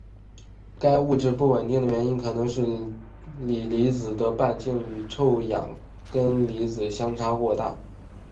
该物质不稳定的原因可能是锂离子的半径与臭氧根离子相差过大。